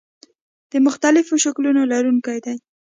د مختلفو شکلونو لرونکي دي.